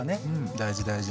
大事大事。